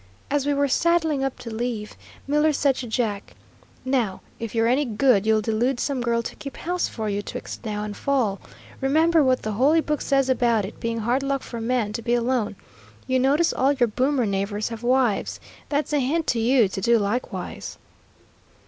As we were saddling up to leave, Miller said to Jack, "Now if you're any good, you'll delude some girl to keep house for you 'twixt now and fall. Remember what the Holy Book says about it being hard luck for man to be alone. You notice all your boomer neighbors have wives. That's a hint to you to do likewise."